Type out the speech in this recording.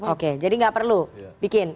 oke jadi nggak perlu bikin